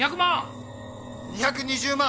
２２０万。